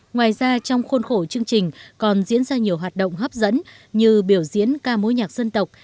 ngoài ra trong khuôn khổ chương trình còn diễn ra nhiều hoạt động hấp dẫn như biểu diễn ca mối nhạc dân tộc